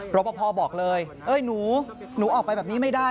รอปภบอกเลยหนูหนูออกไปแบบนี้ไม่ได้